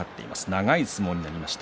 長い相撲になりました。